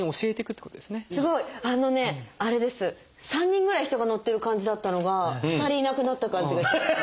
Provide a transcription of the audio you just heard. ３人ぐらい人が乗ってる感じだったのが２人いなくなった感じがしてます。